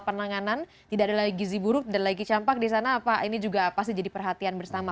penanganan tidak ada lagi gizi buruk dan lagi campak di sana apa ini juga pasti jadi perhatian bersama